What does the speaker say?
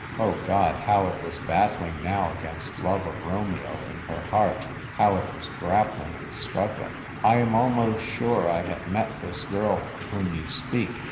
(Oh, God, how it was battling now against love of Romeo in her heart ; how it was grappling and strug gling !) "I am almost sure I have met this girl of whom you speak.